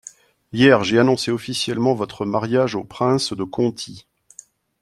Hier, j’ai annoncé officiellement votre mariage au prince de Conti.